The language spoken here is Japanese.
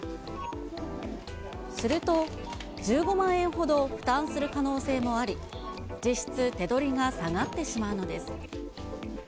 すると１５万円ほど負担する可能性もあり、実質手取りが下がってしまうのです。